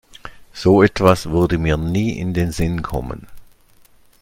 So etwas würde mir nie in den Sinn kommen.